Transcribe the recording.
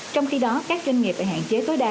trong khi đó các doanh nghiệp phải hạn chế tối đa